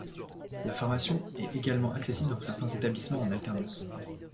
La formation est également accessible dans certains établissements en alternance.